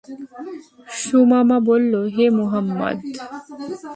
সুমামা বলল, হে মুহাম্মদ!